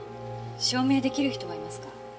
証明出来る人はいますか？